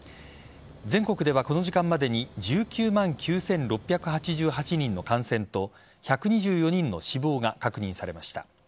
全国ではこの時間までに１９万９６８８人の感染と１２４人の死亡が確認されました。